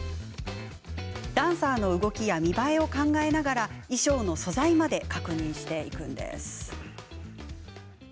ダンサーの動きや見栄えを考えながら衣装の素材まで確認していくんですね。